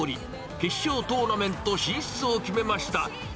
決勝トーナメント進出を決めました。